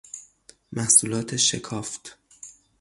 محصولات شکافت